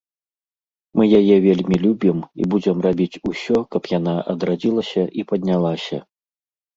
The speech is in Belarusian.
Мы яе вельмі любім і будзем рабіць усё, каб яна адрадзілася і паднялася.